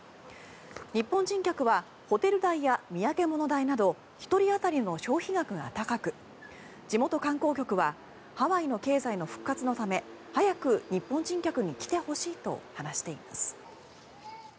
日本人客はホテル代や土産物代など１人当たりの消費額が高く地元観光局はハワイの経済の復活のため早く日本人客に来てほしいと話しています。